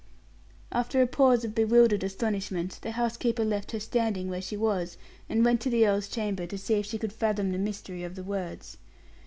After a pause of bewildered astonishment, the housekeeper left her standing where she was, and went to the earl's chamber, to see if she could fathom the mystery of the words.